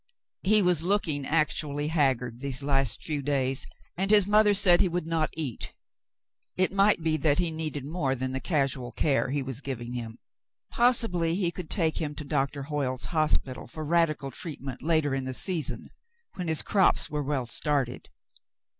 He was looking actually haggard these last few days, and his mother said he would not eat. It might be that he needed more than the casual care he was giving him. Possibly he could take him to Doctor Hoyle's hospital for radical treatment later in the season, when his crops were well started.